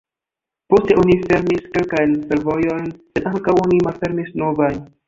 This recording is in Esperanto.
Poste oni fermis kelkajn fervojojn sed ankaŭ oni malfermis novajn.